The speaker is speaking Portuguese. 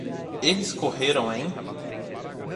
Eles correram em